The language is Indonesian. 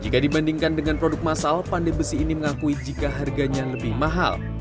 jika dibandingkan dengan produk masal pandai besi ini mengakui jika harganya lebih mahal